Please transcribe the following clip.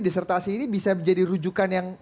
disertasi ini bisa menjadi rujukan yang